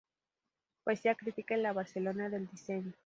Poesía crítica en la Barcelona del diseño".